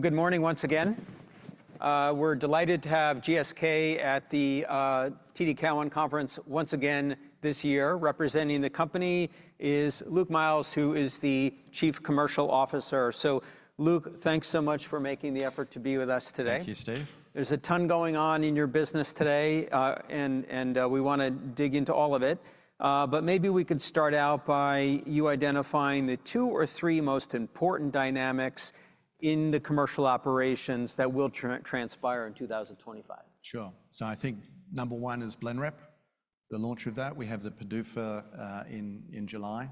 Good morning once again. We're delighted to have GSK at the TD Cowen Conference once again this year. Representing the company is Luke Miels, who is the Chief Commercial Officer. Luke, thanks so much for making the effort to be with us today. Thank you, Steve. There's a ton going on in your business today, and we want to dig into all of it. But maybe we could start out by you identifying the two or three most important dynamics in the commercial operations that will transpire in 2025. Sure. So I think number one is Blenrep, the launch of that. We have the PDUFA in July.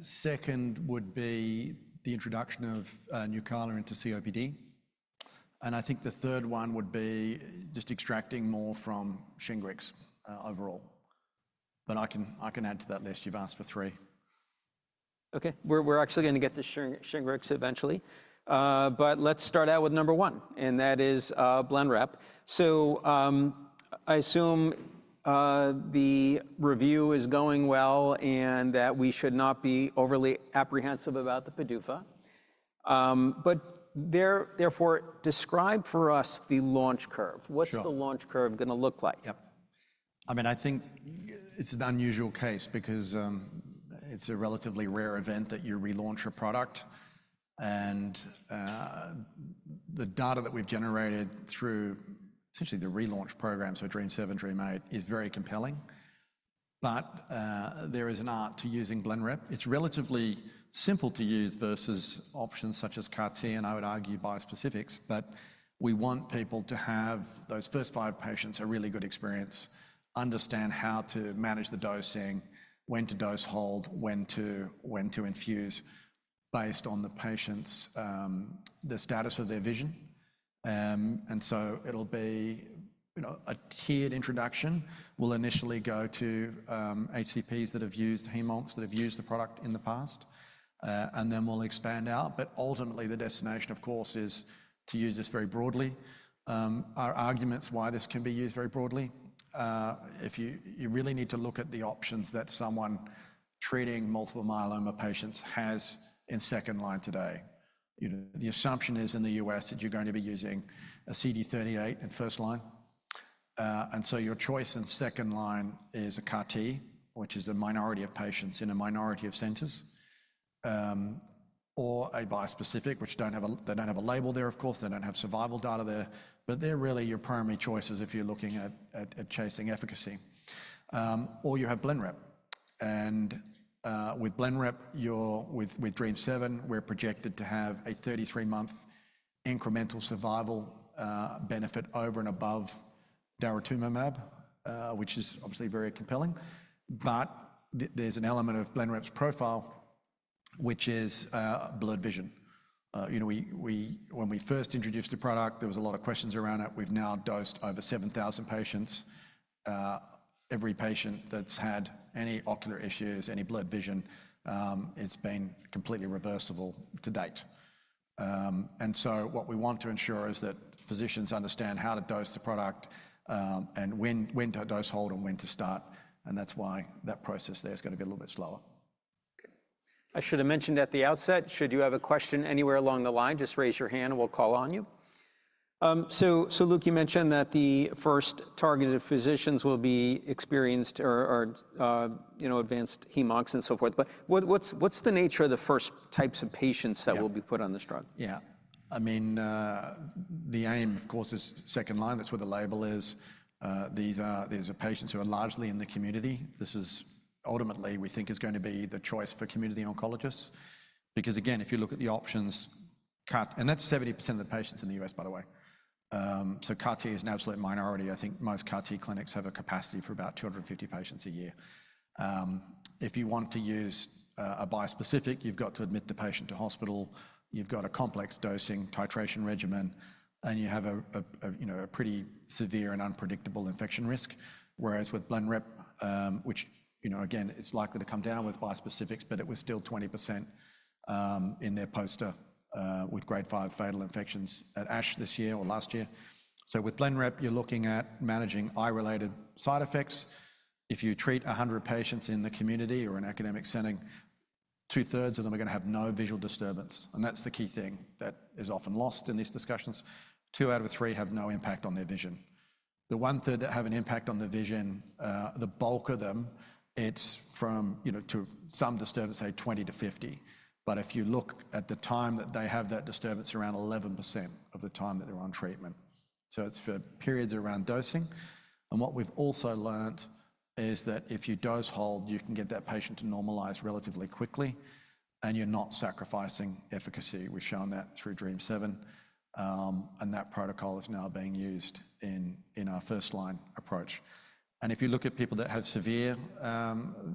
Second would be the introduction of Nucala into COPD. And I think the third one would be just extracting more from Shingrix overall. But I can add to that list. You've asked for three. Okay. We're actually going to get to Shingrix eventually. But let's start out with number one, and that is Blenrep. So I assume the review is going well and that we should not be overly apprehensive about the PDUFA. But therefore, describe for us the launch curve. What's the launch curve going to look like? Yep. I mean, I think it's an unusual case because it's a relatively rare event that you relaunch a product. And the data that we've generated through essentially the relaunch program, so DREAMM-7, DREAMM-8, is very compelling. But there is an art to using Blenrep. It's relatively simple to use versus options such as CAR-T and, I would argue, bispecifics. But we want people to have those first five patients a really good experience, understand how to manage the dosing, when to dose hold, when to infuse based on the patient's status of their vision. And so it'll be a tiered introduction. We'll initially go to HCPs that have used HemOncs, that have used the product in the past, and then we'll expand out. But ultimately, the destination, of course, is to use this very broadly. Our arguments why this can be used very broadly, if you really need to look at the options that someone treating multiple myeloma patients has in second line today. The assumption is in the U.S. that you're going to be using a CD38 in first line. And so your choice in second line is a CAR-T, which is a minority of patients in a minority of centers, or a bispecific, which they don't have a label there, of course. They don't have survival data there. But they're really your primary choices if you're looking at chasing efficacy. Or you have Blenrep. And with DREAMM-7, we're projected to have a 33-month incremental survival benefit over and above Daratumumab, which is obviously very compelling. But there's an element of Blenrep's profile, which is blurred vision. When we first introduced the product, there was a lot of questions around it. We've now dosed over 7,000 patients. Every patient that's had any ocular issues, any blurred vision, it's been completely reversible to date. And so what we want to ensure is that physicians understand how to dose the product and when to dose hold and when to start. And that's why that process there is going to be a little bit slower. Okay. I should have mentioned at the outset, should you have a question anywhere along the line, just raise your hand and we'll call on you. So, Luke, you mentioned that the first targeted physicians will be experienced or advanced HemOncs and so forth. But what's the nature of the first types of patients that will be put on this drug? Yeah. I mean, the aim, of course, is second line. That's where the label is. There's patients who are largely in the community. This is ultimately, we think, is going to be the choice for community oncologists. Because, again, if you look at the options, and that's 70% of the patients in the U.S., by the way. So CAR-T is an absolute minority. I think most CAR-T clinics have a capacity for about 250 patients a year. If you want to use a bispecific, you've got to admit the patient to hospital. You've got a complex dosing titration regimen, and you have a pretty severe and unpredictable infection risk. Whereas with Blenrep, which, again, it's likely to come down with bispecifics, but it was still 20% in their poster with Grade 5 fatal infections at ASH this year or last year. With Blenrep, you're looking at managing eye-related side effects. If you treat 100 patients in the community or an academic setting, two-thirds of them are going to have no visual disturbance. That's the key thing that is often lost in these discussions. Two out of three have no impact on their vision. The one-third that have an impact on the vision, the bulk of them, it's mild to some disturbance, say, 20/50. If you look at the time that they have that disturbance, around 11% of the time that they're on treatment. It's for periods around dosing. What we've also learned is that if you dose hold, you can get that patient to normalize relatively quickly, and you're not sacrificing efficacy. We've shown that through DREAMM-7. That protocol is now being used in our first-line approach. And if you look at people that have severe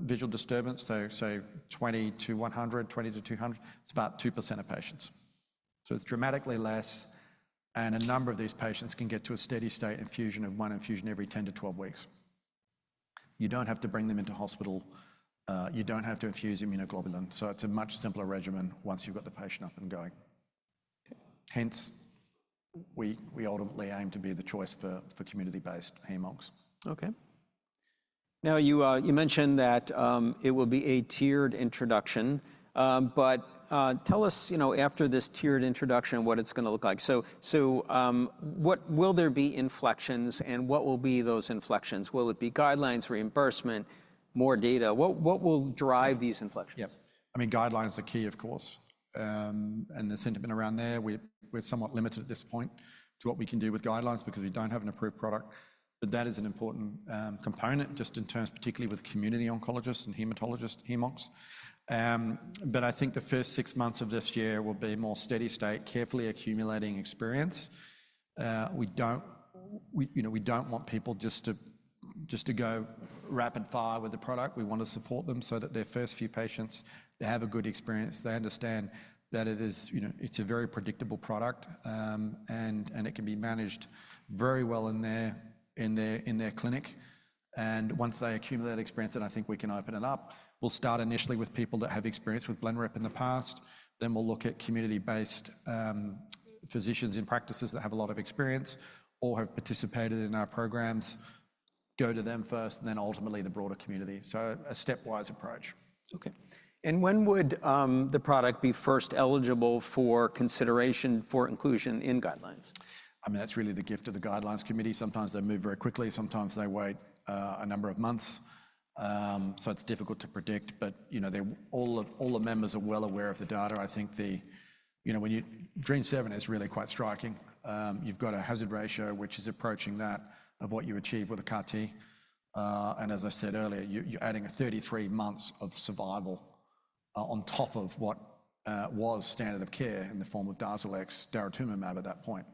visual disturbance, say, 20/100, 20/200, it's about 2% of patients. So it's dramatically less. And a number of these patients can get to a steady-state infusion of one infusion every 10 to 12 weeks. You don't have to bring them into hospital. You don't have to infuse immunoglobulin. So it's a much simpler regimen once you've got the patient up and going. Hence, we ultimately aim to be the choice for community-based HemOncs. Okay. Now, you mentioned that it will be a tiered introduction. But tell us, after this tiered introduction, what it's going to look like. So will there be inflections, and what will be those inflections? Will it be guidelines, reimbursement, more data? What will drive these inflections? Yeah. I mean, guidelines are key, of course. And the sentiment around there, we're somewhat limited at this point to what we can do with guidelines because we don't have an approved product. But that is an important component just in terms, particularly with community oncologists and hematologists, HemOncs. But I think the first six months of this year will be more steady-state, carefully accumulating experience. We don't want people just to go rapid-fire with the product. We want to support them so that their first few patients, they have a good experience. They understand that it's a very predictable product, and it can be managed very well in their clinic. And once they accumulate experience, then I think we can open it up. We'll start initially with people that have experience with Blenrep in the past. Then we'll look at community-based physicians in practices that have a lot of experience or have participated in our programs. Go to them first, and then ultimately the broader community. So a stepwise approach. Okay, and when would the product be first eligible for consideration for inclusion in guidelines? I mean, that's really the gift of the guidelines committee. Sometimes they move very quickly. Sometimes they wait a number of months. So it's difficult to predict. But all the members are well aware of the data. I think when you DREAMM-7 is really quite striking. You've got a hazard ratio, which is approaching that of what you achieve with a CAR-T. And as I said earlier, you're adding 33 months of survival on top of what was standard of care in the form of Darzalex, Daratumumab at that point.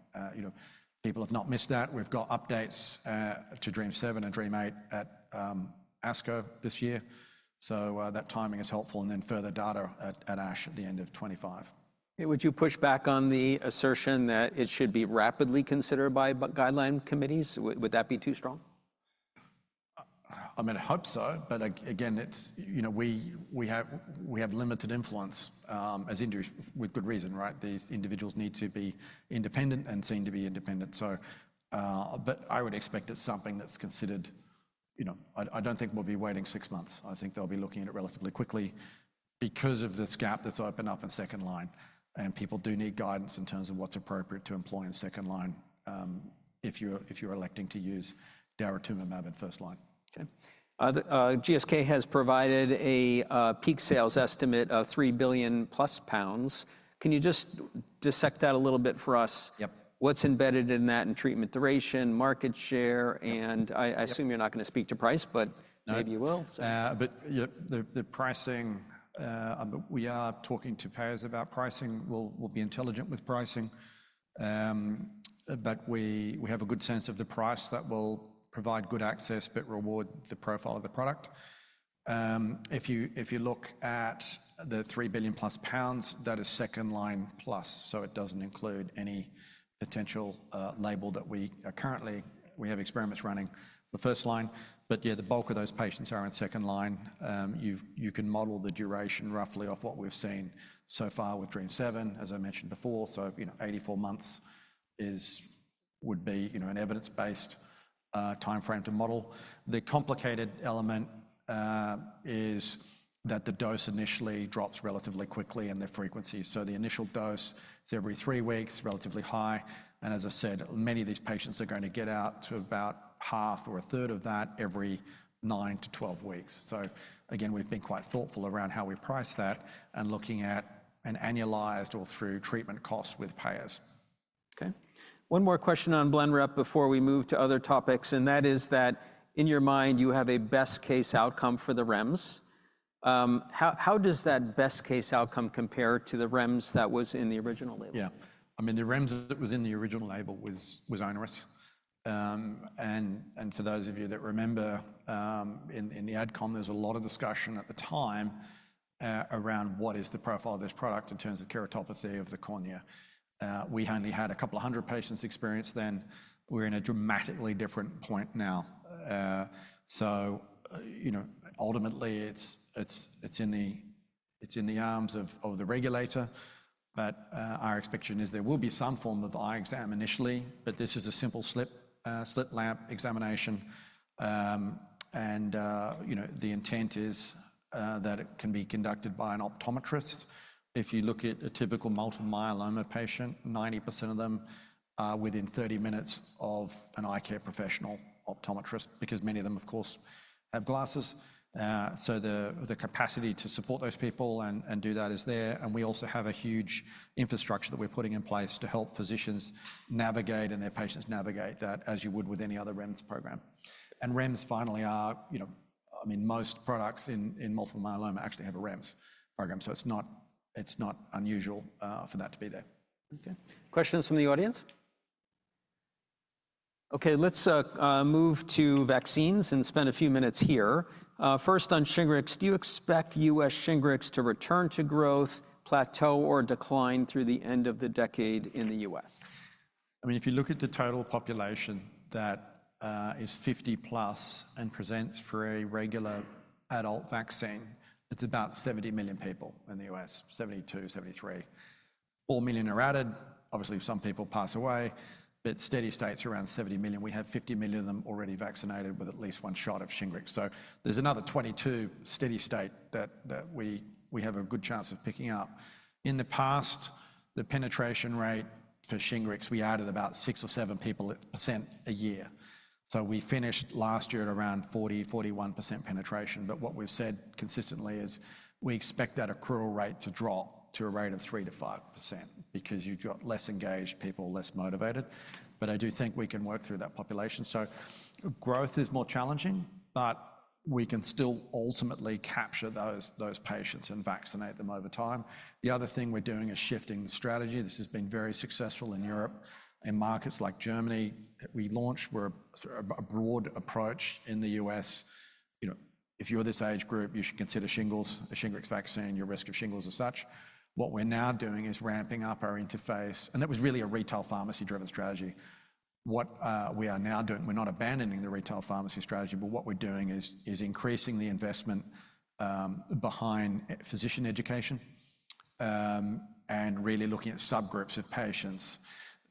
People have not missed that. We've got updates to DREAMM-7 and DREAMM-8 at ASCO this year. So that timing is helpful. And then further data at ASH at the end of 2025. Would you push back on the assertion that it should be rapidly considered by guideline committees? Would that be too strong? I mean, I hope so. But again, we have limited influence, with good reason, right? These individuals need to be independent and seen to be independent. But I would expect it's something that's considered. I don't think we'll be waiting six months. I think they'll be looking at it relatively quickly because of this gap that's opened up in second line. And people do need guidance in terms of what's appropriate to employ in second line if you're electing to use daratumumab in first line. Okay. GSK has provided a peak sales estimate of 3 billion pounds plus. Can you just dissect that a little bit for us? Yep. What's embedded in that in treatment duration, market share? And I assume you're not going to speak to price, but maybe you will. But the pricing, we are talking to payers about pricing. We'll be intelligent with pricing. But we have a good sense of the price that will provide good access but reward the profile of the product. If you look at the 3 billion pounds plus, that is second line plus. So it doesn't include any potential label that we currently have experiments running for first line. But yeah, the bulk of those patients are in second line. You can model the duration roughly off what we've seen so far with DREAMM-7, as I mentioned before. So 84 months would be an evidence-based timeframe to model. The complicated element is that the dose initially drops relatively quickly in their frequency. So the initial dose is every three weeks, relatively high. And as I said, many of these patients are going to get out to about half or a third of that every nine to 12 weeks. So again, we've been quite thoughtful around how we price that and looking at an annualized or through treatment costs with payers. Okay. One more question on Blenrep before we move to other topics, and that is that in your mind, you have a best-case outcome for the REMS. How does that best-case outcome compare to the REMS that was in the original label? Yeah. I mean, the REMS that was in the original label was onerous. And for those of you that remember, in the adcom, there was a lot of discussion at the time around what is the profile of this product in terms of keratopathy of the cornea. We only had a couple of hundred patients experienced then. We're in a dramatically different point now. So ultimately, it's in the arms of the regulator. But our expectation is there will be some form of eye exam initially. But this is a simple slit lamp examination. And the intent is that it can be conducted by an optometrist. If you look at a typical multiple myeloma patient, 90% of them are within 30 minutes of an eye care professional optometrist because many of them, of course, have glasses. So the capacity to support those people and do that is there. We also have a huge infrastructure that we're putting in place to help physicians navigate and their patients navigate that as you would with any other REMS program. REMS finally are, I mean, most products in multiple myeloma actually have a REMS program. It's not unusual for that to be there. Okay. Questions from the audience? Okay. Let's move to vaccines and spend a few minutes here. First, on Shingrix, do you expect U.S. Shingrix to return to growth, plateau, or decline through the end of the decade in the U.S.? I mean, if you look at the total population that is 50 plus and presents for a regular adult vaccine, it's about 70 million people in the U.S., 72 million-73 million, 4 million are added. Obviously, some people pass away. But steady states are around 70 million. We have 50 million of them already vaccinated with at least one shot of Shingrix. So there's another 22 steady state that we have a good chance of picking up. In the past, the penetration rate for Shingrix, we added about 6 or 7% a year. So we finished last year at around 40%-41% penetration. But what we've said consistently is we expect that accrual rate to drop to a rate of 3%-5% because you've got less engaged people, less motivated. But I do think we can work through that population. So growth is more challenging, but we can still ultimately capture those patients and vaccinate them over time. The other thing we're doing is shifting the strategy. This has been very successful in Europe. In markets like Germany, we launched a broad approach in the U.S.. If you're this age group, you should consider Shingrix, the shingles vaccine, your risk of shingles as such. What we're now doing is ramping up our efforts. And that was really a retail pharmacy-driven strategy. What we are now doing, we're not abandoning the retail pharmacy strategy, but what we're doing is increasing the investment behind physician education and really looking at subgroups of patients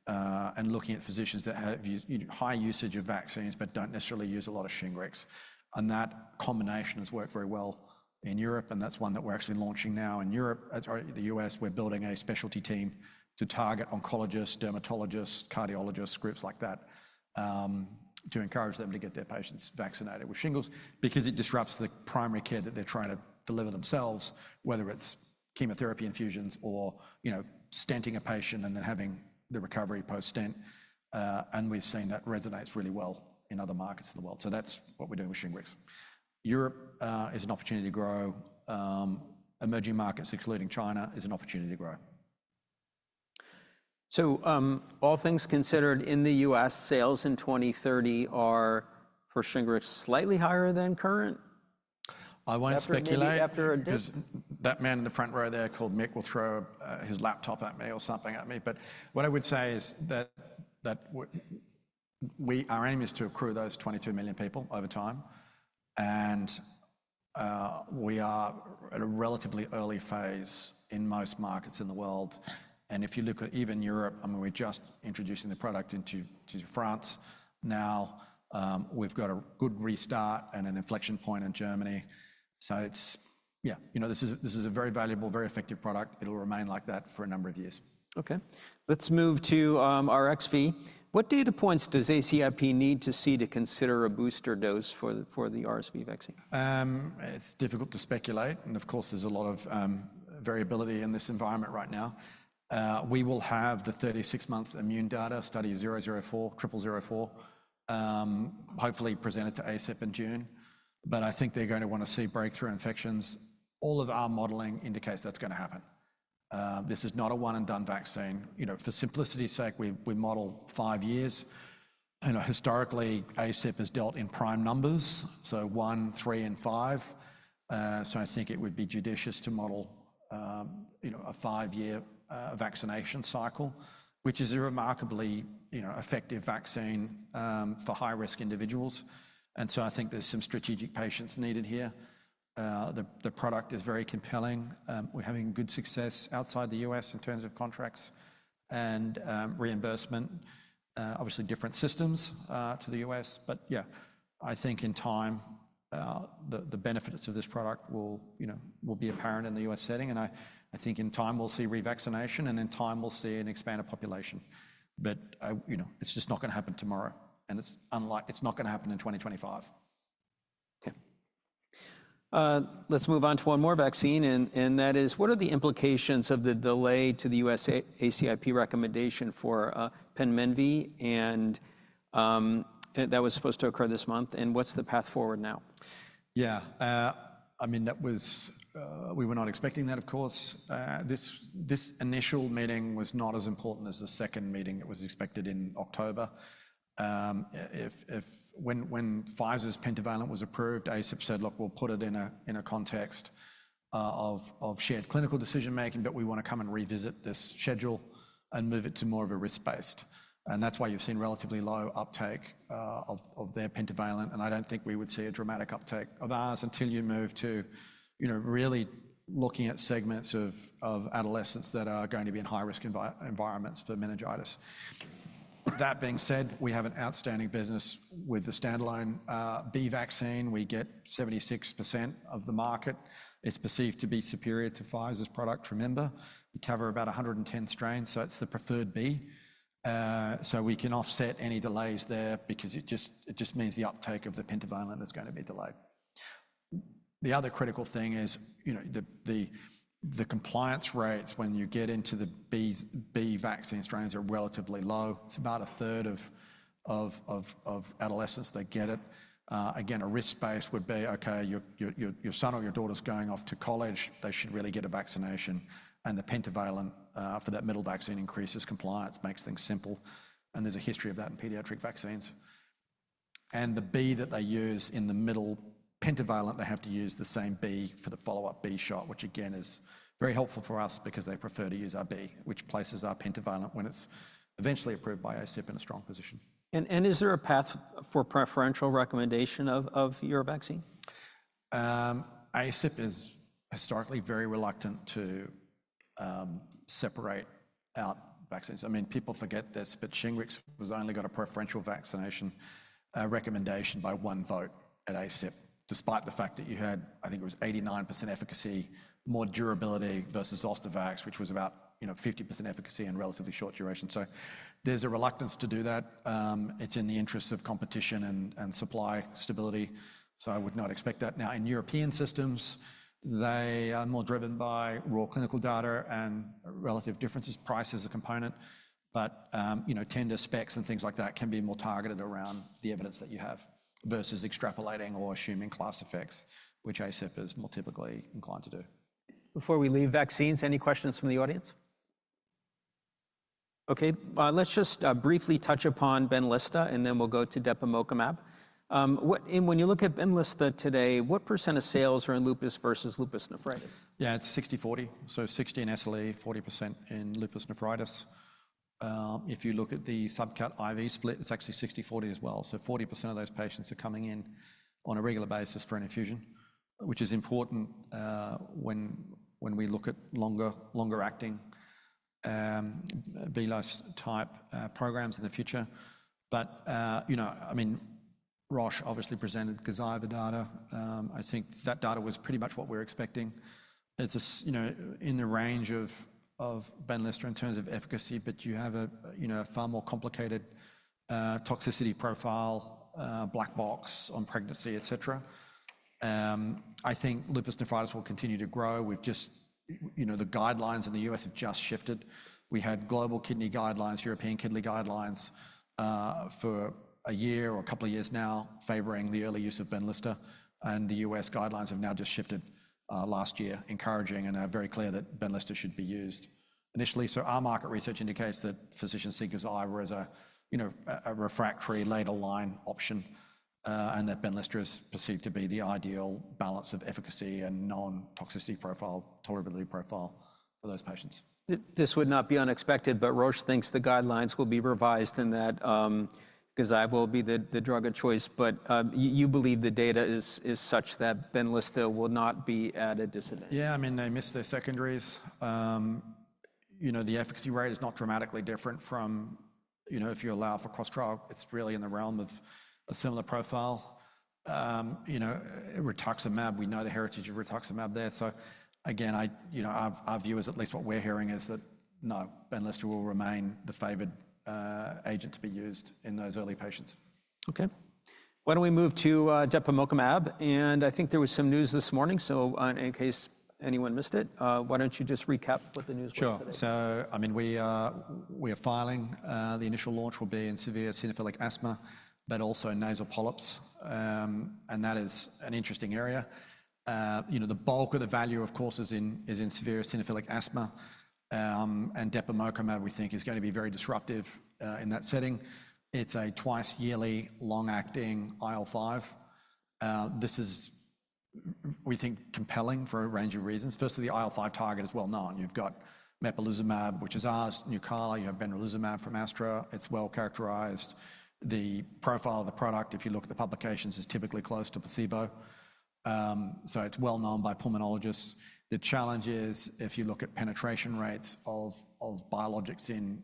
and looking at physicians that have high usage of vaccines but don't necessarily use a lot of Shingrix. And that combination has worked very well in Europe. And that's one that we're actually launching now in the U.S.. We're building a specialty team to target oncologists, dermatologists, cardiologists, groups like that to encourage them to get their patients vaccinated with Shingrix because it disrupts the primary care that they're trying to deliver themselves, whether it's chemotherapy infusions or stenting a patient and then having the recovery post-stent, and we've seen that resonates really well in other markets in the world, so that's what we're doing with Shingrix. Europe is an opportunity to grow. Emerging markets, excluding China, is an opportunity to grow. All things considered, in the U.S., sales in 2030 are for Shingrix slightly higher than current? I won't speculate. That man in the front row there called Mick will throw his laptop at me or something at me. But what I would say is that our aim is to accrue those 22 million people over time. And we are at a relatively early phase in most markets in the world. And if you look at even Europe, I mean, we're just introducing the product into France now. We've got a good restart and an inflection point in Germany. So yeah, this is a very valuable, very effective product. It'll remain like that for a number of years. Okay. Let's move to Arexvy. What data points does ACIP need to see to consider a booster dose for the Arexvy vaccine? It's difficult to speculate. And of course, there's a lot of variability in this environment right now. We will have the 36-month immune data study 004, 0004, hopefully presented to ACIP in June. But I think they're going to want to see breakthrough infections. All of our modeling indicates that's going to happen. This is not a one-and-done vaccine. For simplicity's sake, we model five years. And historically, ACIP has dealt in prime numbers, so one, three, and five. So I think it would be judicious to model a five-year vaccination cycle, which is a remarkably effective vaccine for high-risk individuals. And so I think there's some strategic patients needed here. The product is very compelling. We're having good success outside the U.S. in terms of contracts and reimbursement, obviously different systems to the U.S. But yeah, I think in time, the benefits of this product will be apparent in the U.S. setting. And I think in time, we'll see revaccination. And in time, we'll see an expanded population. But it's just not going to happen tomorrow. And it's not going to happen in 2025. Okay. Let's move on to one more vaccine, and that is, what are the implications of the delay to the U.S. ACIP recommendation for MenABCWY, and that was supposed to occur this month, and what's the path forward now? Yeah. I mean, we were not expecting that, of course. This initial meeting was not as important as the second meeting that was expected in October. When Pfizer's pentavalent was approved, ACIP said, "Look, we'll put it in a context of shared clinical decision-making, but we want to come and revisit this schedule and move it to more of a risk-based." And that's why you've seen relatively low uptake of their pentavalent. And I don't think we would see a dramatic uptake of ours until you move to really looking at segments of adolescents that are going to be in high-risk environments for meningitis. That being said, we have an outstanding business with the standalone B vaccine. We get 76% of the market. It's perceived to be superior to Pfizer's product. Remember, we cover about 110 strains. So it's the preferred B. So we can offset any delays there because it just means the uptake of the pentavalent is going to be delayed. The other critical thing is the compliance rates when you get into the B vaccine strains are relatively low. It's about a third of adolescents that get it. Again, a risk space would be, okay, your son or your daughter's going off to college. They should really get a vaccination. And the pentavalent for that middle vaccine increases compliance, makes things simple. And there's a history of that in pediatric vaccines. And the B that they use in the middle pentavalent, they have to use the same B for the follow-up B shot, which again is very helpful for us because they prefer to use our B, which places our pentavalent when it's eventually approved by ACIP in a strong position. Is there a path for preferential recommendation of your vaccine? ACIP is historically very reluctant to separate out vaccines. I mean, people forget this, but Shingrix has only got a preferential vaccination recommendation by one vote at ACIP, despite the fact that you had, I think it was 89% efficacy, more durability versus Zostavax, which was about 50% efficacy and relatively short duration. So there's a reluctance to do that. It's in the interest of competition and supply stability. So I would not expect that. Now, in European systems, they are more driven by raw clinical data and relative differences, price as a component. But tender specs and things like that can be more targeted around the evidence that you have versus extrapolating or assuming class effects, which ACIP is more typically inclined to do. Before we leave vaccines, any questions from the audience? Okay. Let's just briefly touch upon Benlysta, and then we'll go to Depemokimab. When you look at Benlysta today, what % of sales are in lupus versus lupus nephritis? Yeah, it's 60-40. So 60:% in SLE, 40% in lupus nephritis. If you look at the subcut IV split, it's actually 60-40 as well. So 40% of those patients are coming in on a regular basis for an infusion, which is important when we look at longer-acting B-type programs in the future. But I mean, Roche obviously presented Gazyva data. I think that data was pretty much what we were expecting. It's in the range of Benlysta in terms of efficacy, but you have a far more complicated toxicity profile, black box on pregnancy, etc. I think lupus nephritis will continue to grow. The guidelines in the U.S. have just shifted. We had global kidney guidelines, European kidney guidelines for a year or a couple of years now favoring the early use of Benlysta. And the U.S. guidelines have now just shifted last year, encouraging, and are very clear that Benlysta should be used initially. So our market research indicates that physicians see it as a refractory later-line option. And that Benlysta is perceived to be the ideal balance of efficacy and non-toxicity profile, tolerability profile for those patients. This would not be unexpected, but Roche thinks the guidelines will be revised in that Gazyva will be the drug of choice. But you believe the data is such that Benlysta will not be at a disadvantage. Yeah. I mean, they miss their secondaries. The efficacy rate is not dramatically different from if you allow for cross trial. It's really in the realm of a similar profile. Rituximab, we know the heritage of rituximab there. So again, our view is at least what we're hearing is that no, Benlysta will remain the favored agent to be used in those early patients. Okay. Why don't we move to Depemokimab? And I think there was some news this morning. So in case anyone missed it, why don't you just recap what the news was today? Sure. So I mean, we are filing. The initial launch will be in severe eosinophilic asthma, but also nasal polyps. And that is an interesting area. The bulk of the value, of course, is in severe eosinophilic asthma. And Depemokimab, we think, is going to be very disruptive in that setting. It's a twice-yearly long-acting IL-5. This is, we think, compelling for a range of reasons. Firstly, the IL-5 target is well known. You've got mepolizumab, which is ours. Nucala. You have benralizumab from Astra. It's well characterized. The profile of the product, if you look at the publications, is typically close to placebo. So it's well known by pulmonologists. The challenge is, if you look at penetration rates of biologics in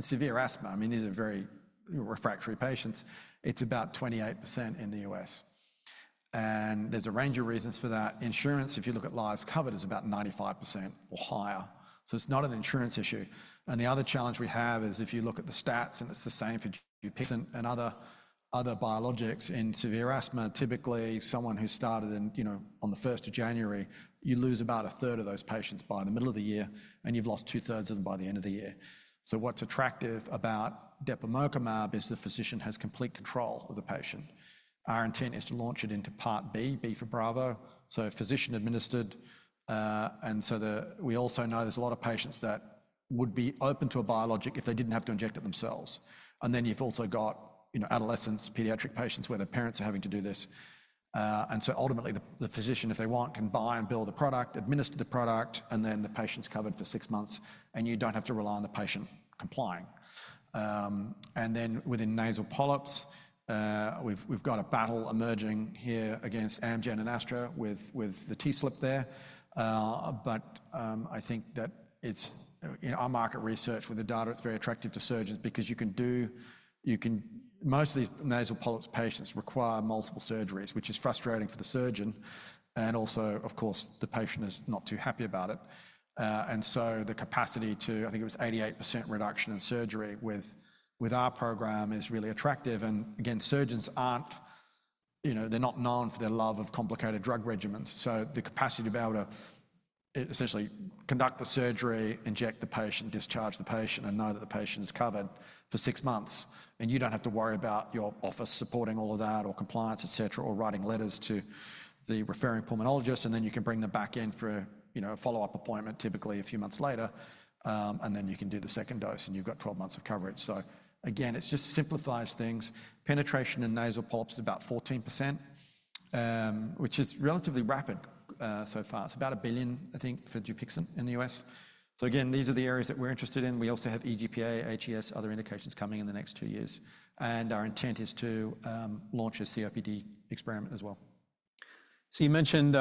severe asthma, I mean, these are very refractory patients. It's about 28% in the U.S.. And there's a range of reasons for that. Insurance, if you look at lives covered, is about 95% or higher. So it's not an insurance issue. And the other challenge we have is if you look at the stats, and it's the same for GPs and other biologics in severe asthma, typically someone who started on the 1st of January, you lose about a third of those patients by the middle of the year, and you've lost two-thirds of them by the end of the year. So what's attractive about Depemokimab is the physician has complete control of the patient. Our intent is to launch it into Part B, B for Bravo, so physician-administered. And so we also know there's a lot of patients that would be open to a biologic if they didn't have to inject it themselves. And then you've also got adolescents, pediatric patients where their parents are having to do this. And so ultimately, the physician, if they want, can buy and build the product, administer the product, and then the patient's covered for six months, and you don't have to rely on the patient complying. And then within nasal polyps, we've got a battle emerging here against Amgen and Astra with the TSLP there. But I think that it's our market research with the data; it's very attractive to surgeons because most of these nasal polyps patients require multiple surgeries, which is frustrating for the surgeon. And also, of course, the patient is not too happy about it. And so the capacity to, I think it was 88% reduction in surgery with our program is really attractive. And again, surgeons aren't; they're not known for their love of complicated drug regimens. The capacity to be able to essentially conduct the surgery, inject the patient, discharge the patient, and know that the patient is covered for six months. And you don't have to worry about your office supporting all of that or compliance, etc., or writing letters to the referring pulmonologist. And then you can bring them back in for a follow-up appointment, typically a few months later. And then you can do the second dose, and you've got 12 months of coverage. So again, it just simplifies things. Penetration in nasal polyps is about 14%, which is relatively rapid so far. It's about $1 billion, I think, for Dupixent in the U.S.. So again, these are the areas that we're interested in. We also have EGPA, HES, other indications coming in the next two years. And our intent is to launch a COPD experiment as well. So you mentioned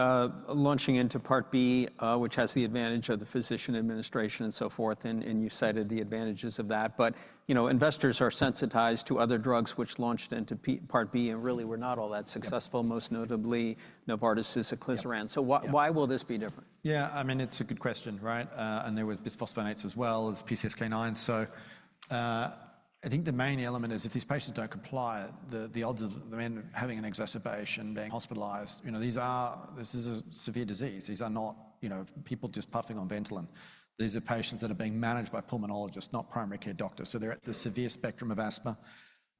launching into Part B, which has the advantage of the physician administration and so forth. And you cited the advantages of that. But investors are sensitized to other drugs which launched into Part B and really were not all that successful, most notably Novartis's inclisiran. So why will this be different? Yeah. I mean, it's a good question, right? And there was bisphosphonates as well as PCSK9. So I think the main element is if these patients don't comply, the odds of them having an exacerbation, being hospitalized; this is a severe disease. These are not people just puffing on Ventolin. These are patients that are being managed by pulmonologists, not primary care doctors. So they're at the severe spectrum of asthma.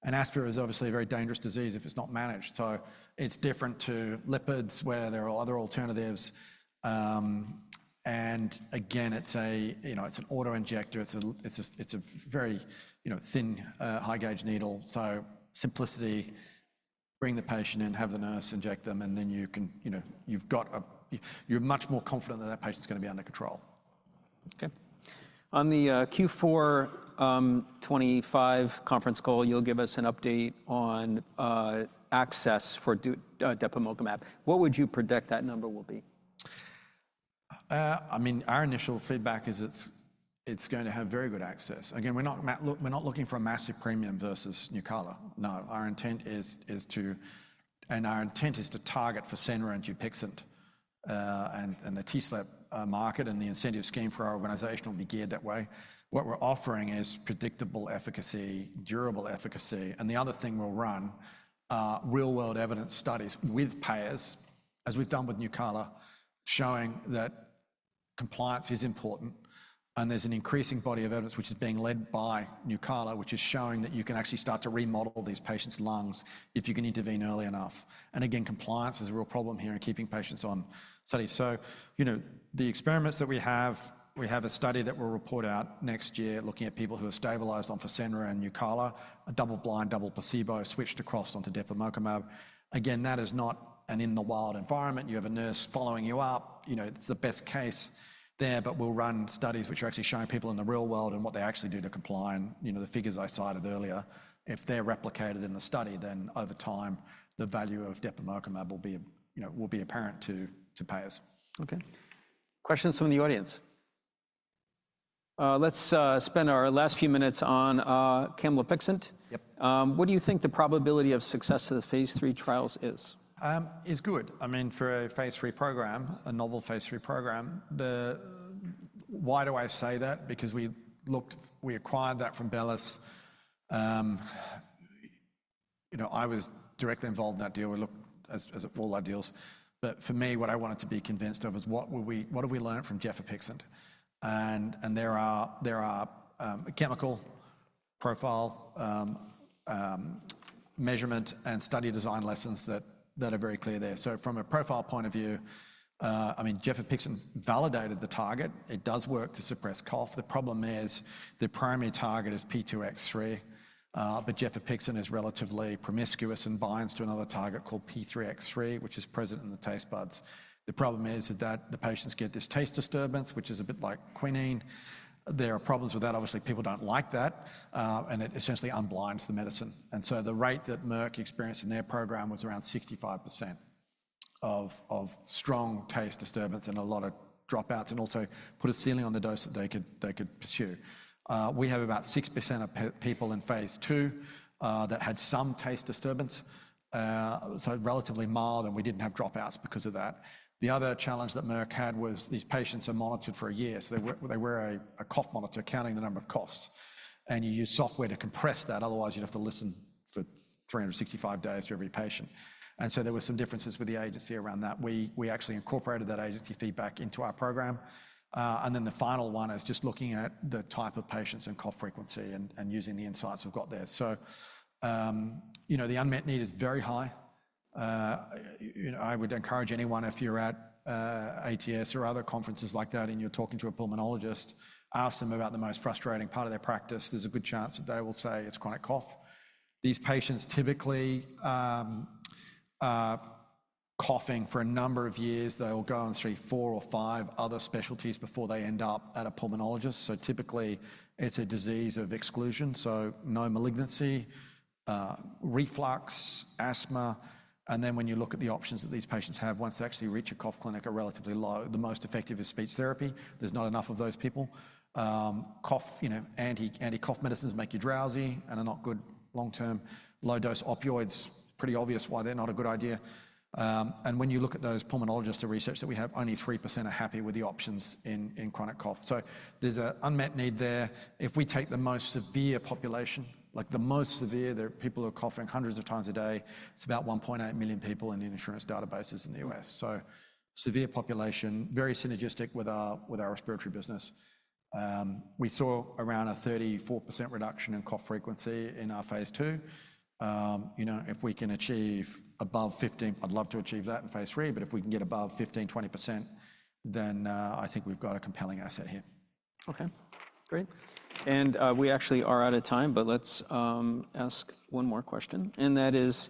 And asthma is obviously a very dangerous disease if it's not managed. So it's different to lipids where there are other alternatives. And again, it's an auto injector. It's a very thin high-gauge needle. So simplicity: bring the patient in, have the nurse inject them, and then you've got, you're much more confident that that patient's going to be under control. Okay. On the Q4 2025 conference call, you'll give us an update on access for Depemokimab. What would you predict that number will be? I mean, our initial feedback is it's going to have very good access. Again, we're not looking for a massive premium versus Nucala. No. And our intent is to target for severe and Dupixent and the TSLIP market. And the incentive scheme for our organization will be geared that way. What we're offering is predictable efficacy, durable efficacy. And the other thing we'll run real-world evidence studies with payers, as we've done with Nucala, showing that compliance is important. And there's an increasing body of evidence, which is being led by Nucala, which is showing that you can actually start to remodel these patients' lungs if you can intervene early enough. And again, compliance is a real problem here in keeping patients on study. The experiments that we have, we have a study that we'll report out next year looking at people who are stabilized on Fasenra and Nucala, a double-blind, double placebo switched across onto Depemokimab. Again, that is not an in-the-wild environment. You have a nurse following you up. It's the best case there. But we'll run studies which are actually showing people in the real world and what they actually do to comply. And the figures I cited earlier, if they're replicated in the study, then over time, the value of Depemokimab will be apparent to payers. Okay. Questions from the audience? Let's spend our last few minutes on Camlipixant. What do you think the probability of success of the phase three trials is? It's good. I mean, for a phase 3 program, a novel phase 3 program, why do I say that? Because we acquired that from Bellus. I was directly involved in that deal. We looked at all our deals. But for me, what I wanted to be convinced of is what have we learned from Gefapixant? And there are chemical profile measurement and study design lessons that are very clear there. So from a profile point of view, I mean, Gefapixant validated the target. It does work to suppress cough. The problem is the primary target is P2X3. But Gefapixant is relatively promiscuous and binds to another target called P2X3, which is present in the taste buds. The problem is that the patients get this taste disturbance, which is a bit like quinine. There are problems with that. Obviously, people don't like that. It essentially unblinds the medicine, and so the rate that Merck experienced in their program was around 65% of strong taste disturbance and a lot of dropouts and also put a ceiling on the dose that they could pursue. We have about 6% of people in phase two that had some taste disturbance, so relatively mild, and we didn't have dropouts because of that. The other challenge that Merck had was these patients are monitored for a year, so they wear a cough monitor counting the number of coughs, and you use software to compress that. Otherwise, you'd have to listen for 365 days for every patient, and so there were some differences with the agency around that. We actually incorporated that agency feedback into our program. And then the final one is just looking at the type of patients and cough frequency and using the insights we've got there. So the unmet need is very high. I would encourage anyone, if you're at ATS or other conferences like that and you're talking to a pulmonologist, ask them about the most frustrating part of their practice. There's a good chance that they will say it's chronic cough. These patients typically are coughing for a number of years. They'll go on through four or five other specialties before they end up at a pulmonologist. So typically, it's a disease of exclusion. So no malignancy, reflux, asthma. And then when you look at the options that these patients have, once they actually reach a cough clinic, are relatively low. The most effective is speech therapy. There's not enough of those people. Anti-cough medicines make you drowsy and are not good long-term. Low-dose opioids, pretty obvious why they're not a good idea. When you look at those pulmonologists and research that we have, only 3% are happy with the options in chronic cough. There's an unmet need there. If we take the most severe population, like the most severe, there are people who are coughing hundreds of times a day. It's about 1.8 million people in the insurance databases in the U.S. Severe population, very synergistic with our respiratory business. We saw around a 34% reduction in cough frequency in our phase two. If we can achieve above 15%, I'd love to achieve that in phase three. But if we can get above 15%-20%, then I think we've got a compelling asset here. Okay. Great. And we actually are out of time, but let's ask one more question. And that is,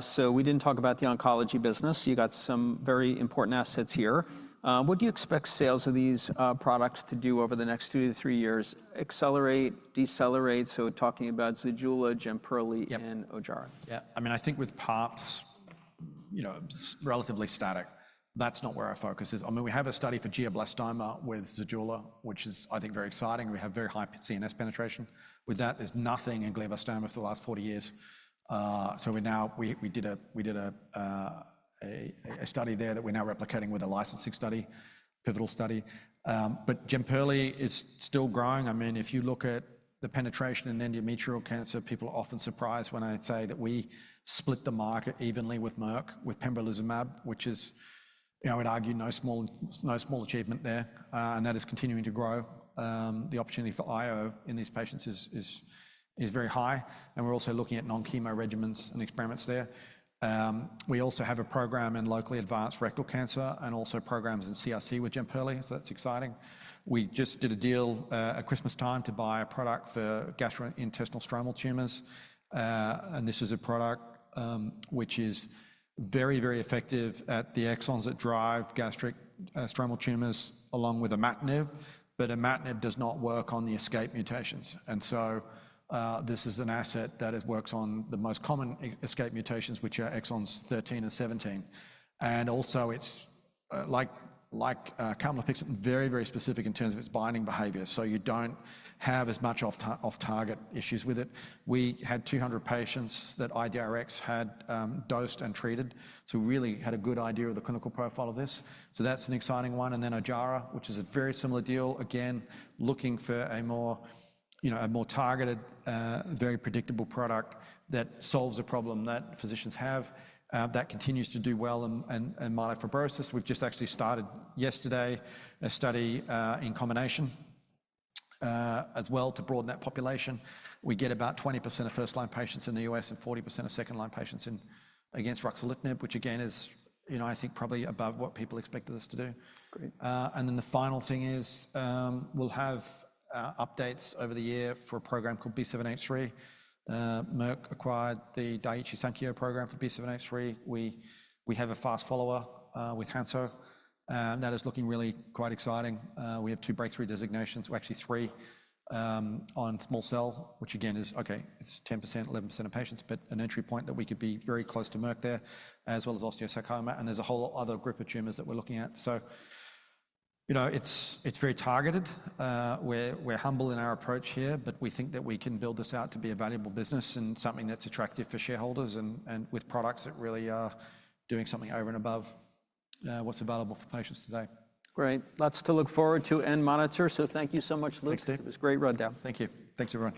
so we didn't talk about the oncology business. You got some very important assets here. What do you expect sales of these products to do over the next two to three years? Accelerate, decelerate? So talking about Zejula, Jemperli, and Ojjaara. Yeah. I mean, I think with PAPs, relatively static, that's not where our focus is. I mean, we have a study for glioblastoma with Zejula, which is, I think, very exciting. We have very high CNS penetration. With that, there's nothing in glioblastoma for the last 40 years. So we did a study there that we're now replicating with a licensing study, pivotal study. But Jemperli is still growing. I mean, if you look at the penetration in endometrial cancer, people are often surprised when I say that we split the market evenly with Merck with Pembrolizumab, which is, I would argue, no small achievement there. And that is continuing to grow. The opportunity for IO in these patients is very high. And we're also looking at non-chemo regimens and experiments there. We also have a program in locally advanced rectal cancer and also programs in CRC with Jemperli. That's exciting. We just did a deal at Christmas time to buy a product for gastrointestinal stromal tumors. This is a product which is very, very effective at the exons that drive gastrointestinal stromal tumors along with imatinib. But imatinib does not work on the escape mutations. This is an asset that works on the most common escape mutations, which are exons 13 and 17. Also, like camlipixant, very, very specific in terms of its binding behavior. You don't have as much off-target issues with it. We had 200 patients that IDRx had dosed and treated. We really had a good idea of the clinical profile of this. That's an exciting one. And then Ojjaara, which is a very similar deal, again, looking for a more targeted, very predictable product that solves a problem that physicians have that continues to do well in myelofibrosis. We've just actually started yesterday a study in combination as well to broaden that population. We get about 20% of first-line patients in the U.S. and 40% of second-line patients against ruxolitinib, which again is, I think, probably above what people expected us to do. And then the final thing is we'll have updates over the year for a program called B7-H3. Merck acquired the Daiichi Sankyo program for B7-H3. We have a fast follower with Hansoh. That is looking really quite exciting. We have two breakthrough designations, or actually three, on small cell, which again is, okay, it's 10%, 11% of patients, but an entry point that we could be very close to Merck there, as well as osteosarcoma, and there's a whole other group of tumors that we're looking at, so it's very targeted. We're humble in our approach here, but we think that we can build this out to be a valuable business and something that's attractive for shareholders and with products that really are doing something over and above what's available for patients today. Great. Lots to look forward to and monitor. So thank you so much, Luke, for this great rundown. Thank you. Thanks everyone.